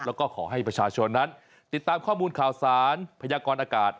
แล้วก็ขอให้ประชาชนนั้นติดตามข้อมูลข่าวสารพยากรอากาศ